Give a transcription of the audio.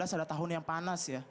ada tahun yang panas